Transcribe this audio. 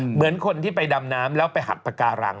เหมือนคนที่ไปดำน้ำแล้วไปหักปากการัง